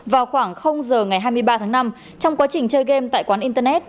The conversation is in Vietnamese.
vào khoảng giờ ngày hai mươi ba tháng năm trong quá trình chơi game tại quán internet